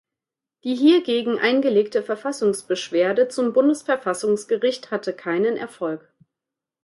Die hiergegen eingelegte Verfassungsbeschwerde zum Bundesverfassungsgericht hatte keinen Erfolg.